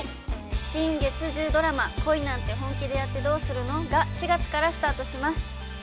◆新・月１０ドラマ「恋なんて、本気でやってどうするの？」が４月からスタートします。